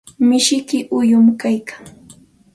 Mishiyki uyumi kaykan.